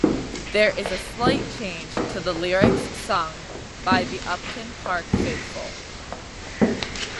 There is a slight change to the lyrics sung by the Upton Park faithful.